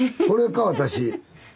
これか私。